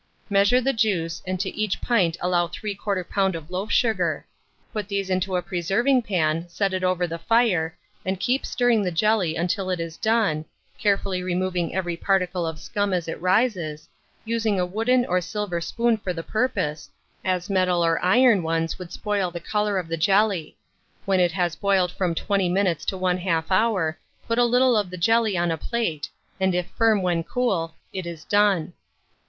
Measure the juice, and to each pint allow 3/4 lb. of loaf sugar; put these into a preserving pan, set it over the fire, and keep stirring the jelly until it is done, carefully removing every particle of scum as it rises, using a wooden or silver spoon for the purpose, as metal or iron ones would spoil the colour of the jelly when it has boiled from 20 minutes to 1/2 hour, put a little of the jelly on a plate, and if firm when cool, it is done.